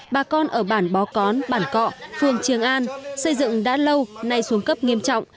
bà con ở bản bó cón bản cọ phường trường an xây dựng đã lâu nay xuống cấp nghiêm trọng